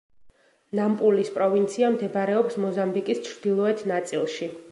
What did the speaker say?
ნამპულის პროვინცია მდებარეობს მოზამბიკის ჩრდილოეთ ნაწილში.